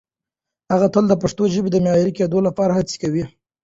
هغه تل د پښتو ژبې د معیاري کېدو لپاره هڅې کولې.